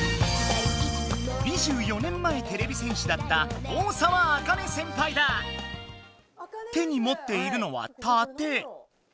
２４年前てれび戦士だった手にもっているのはたて。